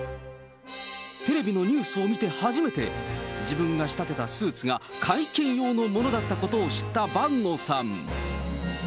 テレビのニュースを見て初めて、自分が仕立てたスーツが、会見用のものだったことを知った伴野さん。